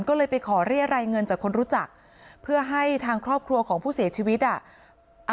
ก็เลยไปขอเรียรายเงินจากคนรู้จักเพื่อให้ทางครอบครัวของผู้เสียชีวิตอ่ะ